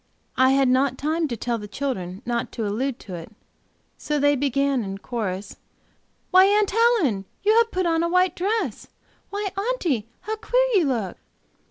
I had not time to tell the children not to allude to it, so they began in chorus: "Why, Aunt Helen! you have put on a white dress!" "Why, Aunty, how queer you look!"